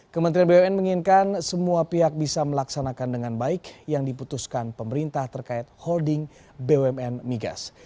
kementerian bumn menginginkan semua pihak bisa melaksanakan dengan baik yang diputuskan pemerintah terkait holding bumn migas